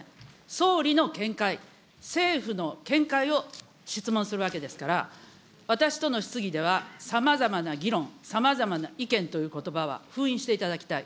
総理の見解、政府の見解を質問するわけですから、私との質疑では、さまざまな議論、さまざまな意見ということばは、封印していただきたい。